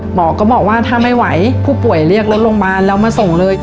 หมอก็บอกว่าถ้าไม่ไหวผู้ป่วยเรียกรถโรงพยาบาลแล้วมาส่งเลย